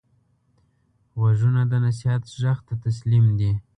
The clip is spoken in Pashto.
غوږونه د نصیحت غږ ته تسلیم دي